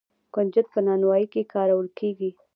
کنجد په نانوايۍ کې کارول کیږي.